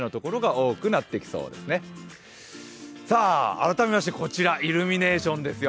改めましてこちらイルミネーションですよ。